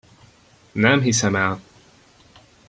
Nem hiszem el!